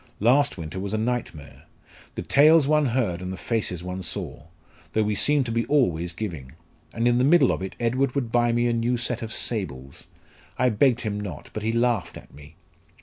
Last winter was a nightmare. The tales one heard, and the faces one saw! though we seemed to be always giving. And in the middle of it Edward would buy me a new set of sables. I begged him not, but he laughed at me."